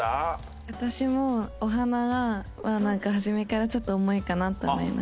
私もお花は初めからちょっと重いかなと思いました。